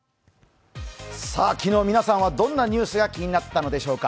昨日、皆さんはどんなニュースが気になったのでしょうか。